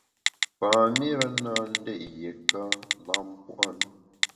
Pam-ire na ndét yiéka lam pua’ na.